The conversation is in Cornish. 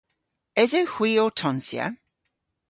Esewgh hwi ow tonsya?